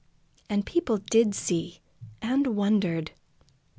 And people did see, and wondered.